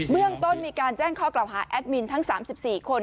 เรื่องต้นมีการแจ้งข้อกล่าวหาแอดมินทั้ง๓๔คน